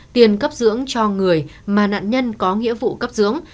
tiền cấp dưỡng cho người mà nạn nhân có nghĩa vụ cấp dưỡng